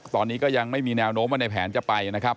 ตอนนี้ก็ยังไม่มีแนวโน้มว่าในแผนจะไปนะครับ